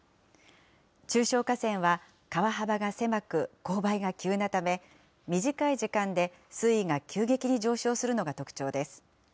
中小河川は川幅が狭く勾配が急なため、短い時間で水位が急激に上昇するのが特徴です。